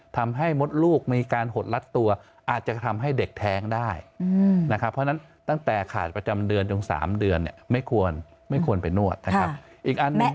ทำให้มดลูกมีการหดรัดตัวอาจจะทำให้เด็กแท้งได้นะครับเพราะฉะนั้นตั้งแต่ขาดประจำเดือนจน๓เดือนเนี่ยไม่ควรไปนวดนะครับอีกอันหนึ่ง